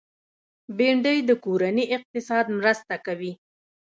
بېنډۍ د کورني اقتصاد مرسته کوي